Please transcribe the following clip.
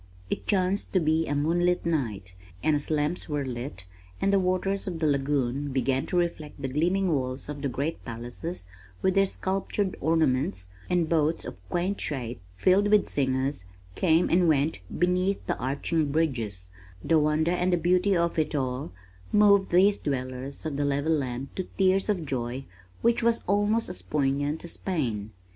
It chanced to be a moonlit night, and as lamps were lit and the waters of the lagoon began to reflect the gleaming walls of the great palaces with their sculptured ornaments, and boats of quaint shape filled with singers came and went beneath the arching bridges, the wonder and the beauty of it all moved these dwellers of the level lands to tears of joy which was almost as poignant as pain.